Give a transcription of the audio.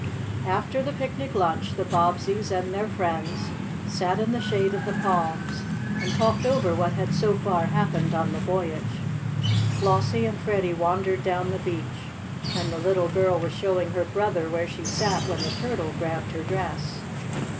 After the picnic lunch the Bobbseys and their friends sat in the shade of the palms and talked over what had so far happened on the voyage. Flossie and Freddie wandered down the beach, and the little girl was showing her brother where she sat when the turtle grabbed her dress.